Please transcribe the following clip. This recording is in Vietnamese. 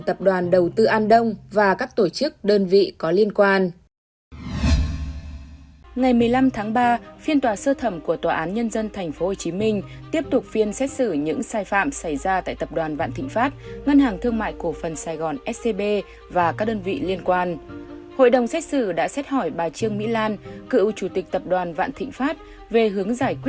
tập đoàn đầu tư an đông đã bị cơ quan cảnh sát điều tra bộ công an khởi tố bắt tạm giam